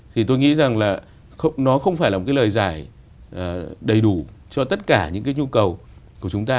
thì tôi nghĩ rằng là nó không phải là một cái lời giải đầy đủ cho tất cả những cái nhu cầu của chúng ta